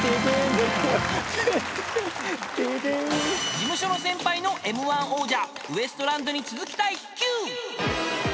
［事務所の先輩のＭ−１王者ウエストランドに続きたい］